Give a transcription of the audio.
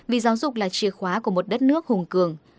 vì giáo dục là chìa khóa của một đất nước hùng cường